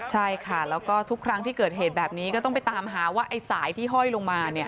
ใช่ค่ะแล้วก็ทุกครั้งที่เกิดเหตุแบบนี้ก็ต้องไปตามหาว่าไอ้สายที่ห้อยลงมา